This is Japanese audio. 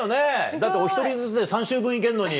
だってお１人ずつで３週分行けるのに。